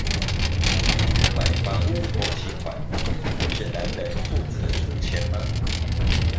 買房屋頭期款是男人負責出錢嗎？